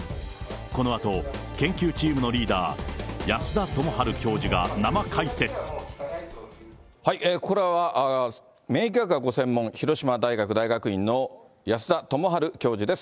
このあと、研究チームのリーダー、ここからは、免疫学がご専門、広島大学大学院の保田朋波流教授です。